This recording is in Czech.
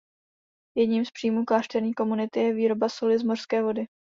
Jedním z příjmů klášterní komunity je výroba soli z mořské vody.